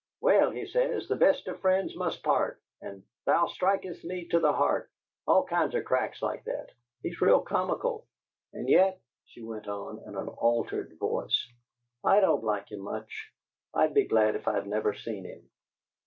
'Well,' he says, 'the best of friends must part,' and, 'Thou strikest me to the heart' all kinds of cracks like that. He's real comical. And yet," she went on in an altered voice, "I don't like him much. I'd be glad if I'd never seen him."